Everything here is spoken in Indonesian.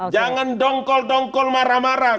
jangan dongkol dongkol marah marah